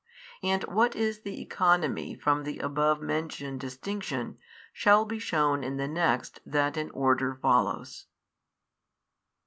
And what is the economy from the above mentioned distinction, shall be shewn in the next that in order follows.